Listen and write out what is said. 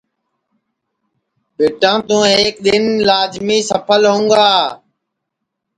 ٻیٹا توں ایک دؔن لاجمی سپھل ہوں گا